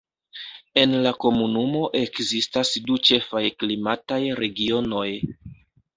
En la komunumo ekzistas du ĉefaj klimataj regionoj.